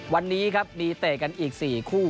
วันนี้ครับมีเตะกันอีก๔คู่